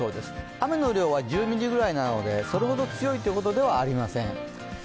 雨の量は１０ミリくらいなので、それほど強いというわけではありません。